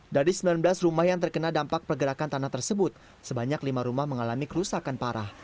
dari sembilan belas rumah yang terkena dampak pergerakan tanah tersebut sebanyak lima rumah mengalami kerusakan parah